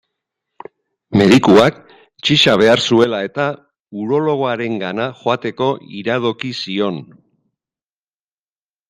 Medikuak, txiza behar zuela-eta, urologoarenera joateko iradoki zion.